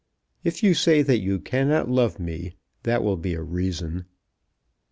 If you say that you cannot love me that will be a reason."